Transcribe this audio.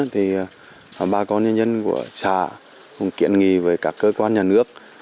thì ba con nhân dân của xã cũng kiện nghỉ với các cơ quan nhà nước